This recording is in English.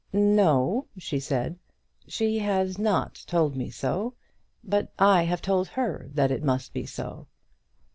"No," she said; "she has not told me so. But I have told her that it must be so."